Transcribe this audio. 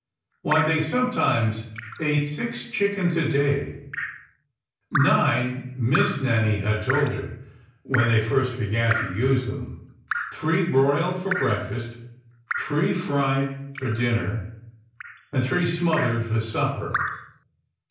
Why, they sometimes ate six chickens a day — nine. Miss Nan DOMESTIC ECONOMY 75 nie had told her, when they first began to use them : three broiled for breakfast, three fried for dinner, and three smothered for supper.